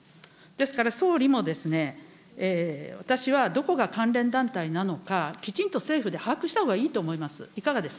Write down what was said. ですから総理も、私はどこが関連団体なのか、きちんと政府で把握したほうがいいと思います。